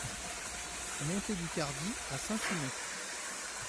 Montée du Cardi à Saint-Simon